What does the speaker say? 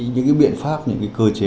những biện pháp những cơ chế